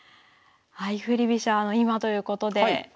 相振り飛車の今ということで。